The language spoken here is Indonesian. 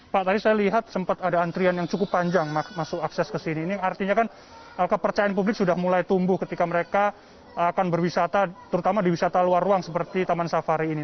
pak tadi saya lihat sempat ada antrian yang cukup panjang masuk akses ke sini ini artinya kan kepercayaan publik sudah mulai tumbuh ketika mereka akan berwisata terutama di wisata luar ruang seperti taman safari ini